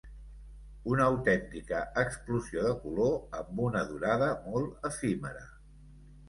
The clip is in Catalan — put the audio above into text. Una autèntica explosió de color amb una durada molt efímera.